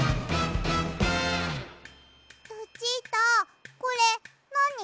ルチータこれなに？